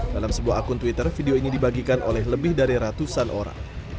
dalam sebuah akun twitter video ini dibagikan oleh lebih dari ratusan orang